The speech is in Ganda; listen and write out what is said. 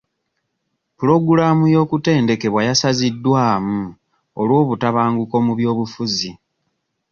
Pulogulamu y'okutendekebwa yasaziddwamu olw'obutabanguko mu byobufuzi.